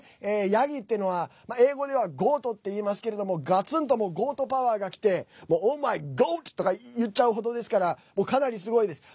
ヤギっていうのは英語ではゴートっていいますけれどもガツンとゴートパワーがきてオーマイゴートとか言っちゃうほどですからかなりすごいです。